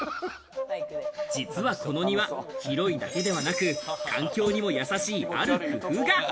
実はこの庭広いだけではなく、環境にも優しい、ある工夫が。